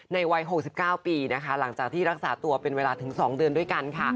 วัย๖๙ปีนะคะหลังจากที่รักษาตัวเป็นเวลาถึง๒เดือนด้วยกันค่ะ